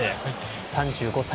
３５歳。